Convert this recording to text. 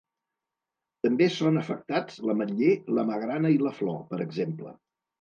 També són afectats l’ametller, la magrana i la flor, per exemple.